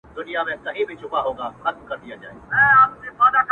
چي سترگو ته يې گورم- وای غزل لیکي-